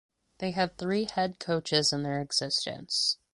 They had three head coaches in their existence.